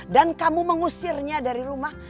dan kamu mengusirnya dari rumah